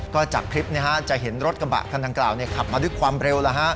ก็จากคลิปจะเห็นรถกระบะคันดังกล่าวขับมาด้วยความเร็ว